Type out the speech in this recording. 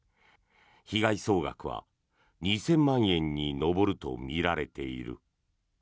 被害総額は２０００万円に上るとみられている。